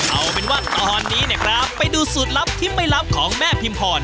เอาเป็นว่าตอนนี้เนี่ยครับไปดูสูตรลับที่ไม่ลับของแม่พิมพร